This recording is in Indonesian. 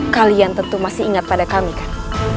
kalian tentu masih ingat pada kami kan